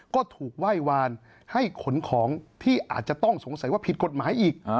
ก็ถูกไหว้วานให้ขนของที่อาจจะต้องสงสัยว่าผิดกฎหมายอีก